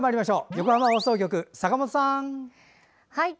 横浜放送局、坂本さん。